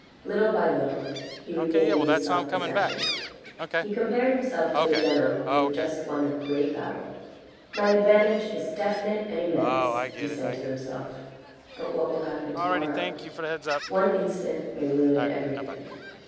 Little by little he regained his self possession. He compared himself to a general who had just won a great battle. " My advantage is definite and immense," he said to himself, " but what will happen to morrow ? One instant may ruin everything."